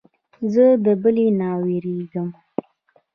زه د بلې نه وېرېږم.